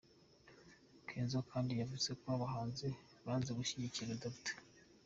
Kenzo kandi yavuze ko abahanzi banze gushyigikira Dr.